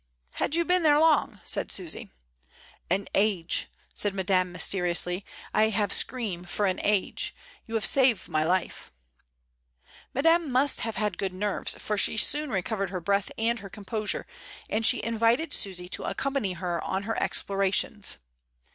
"Had you been there long?" said Susy. "An age," said Madame mysteriously. "I have scream for an age. You 'ave save my life." Madame must have had good nerves, for she soon recovered her breath and her composure, and she invited Susy to accompany her on her explora tions.